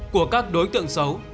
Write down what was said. của các đối tượng xấu